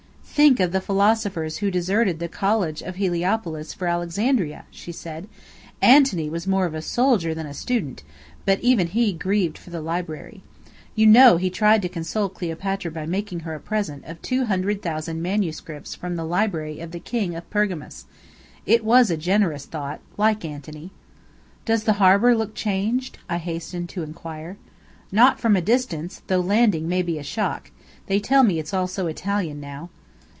"Think of the philosophers who deserted the College of Heliopolis for Alexandria!" she said. "Antony was more of a soldier than a student, but even he grieved for the Library. You know he tried to console Cleopatra by making her a present of two hundred thousand MSS. from the library of the King of Pergamus. It was a generous thought like Antony!" "Does the harbour looked changed?" I hastened to inquire. "Not from a distance, though landing may be a shock: they tell me it's all so Italian now.